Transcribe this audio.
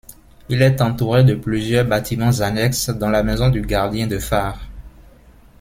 Il est entouré de plusieurs bâtiments annexes, dont la maison du gardien de phare.